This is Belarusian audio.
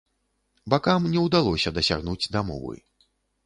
Бакам не ўдалося дасягнуць дамовы.